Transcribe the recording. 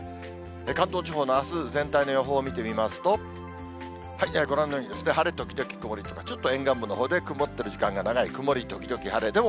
関東地方のあす全体の予報を見てみますと、ご覧のように晴れ時々曇りとか、ちょっと沿岸部のほうで曇ってる時間が長い、曇り時々晴れ。